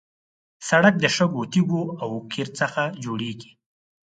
سړک د شګو، تیږو او قیر څخه جوړېږي.